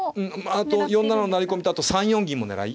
あと４七の成り込みと３四銀も狙い。